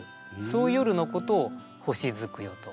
そういう夜のことを星月夜と。